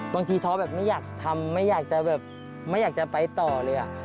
ท้อแบบไม่อยากทำไม่อยากจะแบบไม่อยากจะไปต่อเลย